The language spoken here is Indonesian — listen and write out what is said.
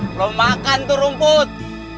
belum makan tuh rumput